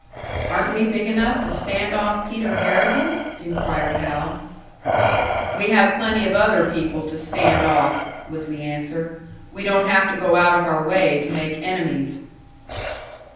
"Aren't we big enough to stand off Peter Harrigan?" inquired Hal. "We have plenty of other people to stand off," was the answer. "We don't have to go out of our way to make enemies."